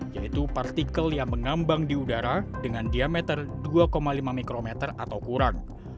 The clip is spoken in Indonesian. yaitu partikel yang mengambang di udara dengan diameter dua lima mikrometer atau kurang